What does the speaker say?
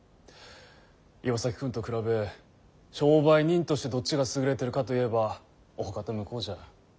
岩崎君と比べ商売人としてどっちが優れてるかといえばおおかた向こうじゃ。